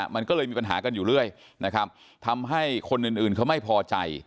มันก็เลยมีปัญหากันอยู่เรื่อยนะครับทำให้คนอื่นเขาไม่พอใจ